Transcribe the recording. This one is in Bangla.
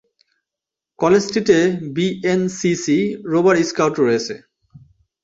কলেজটিতে বিএনসিসি, রোভার স্কাউট রয়েছে।